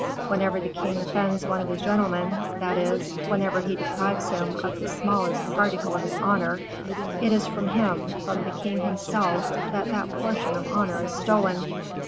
Whenever the king offends one of his gentlemen, that is, whenever he deprives him of the smallest particle of his honor, it is from him, from the king himself, that that portion of honor is stolen."